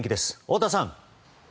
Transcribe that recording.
太田さん。